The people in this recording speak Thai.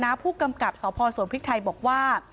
ผู้กำกับสพสวนพริกไทยบอกว่า